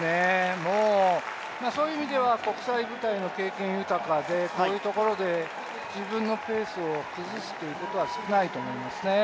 そういう意味では国際舞台の経験豊かでこういうところで自分のペースを崩すことは少ないと思いますね。